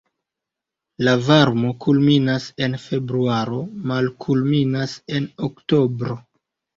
La varmo kulminas en februaro, malkulminas en oktobro.